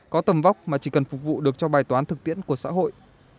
có tầm vóc mà chỉ cần phục vụ được cho bài toán thực tiễn của xã hội